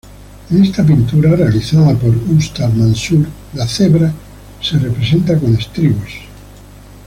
En esta pintura, realizada por Ustad Mansur, la cebra se representa con estribos.